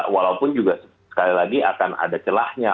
walaupun juga sekali lagi akan ada celahnya